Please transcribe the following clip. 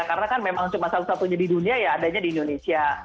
karena kan memang cuma salah satunya di dunia ya adanya di indonesia